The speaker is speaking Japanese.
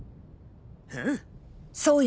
うん。